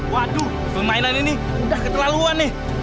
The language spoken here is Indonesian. waduh permainan ini udah keterlaluan nih